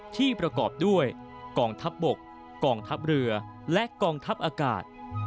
ที่ประกอบด้วยกองทัพบกกองทัพเรือและกองทัพอากาศ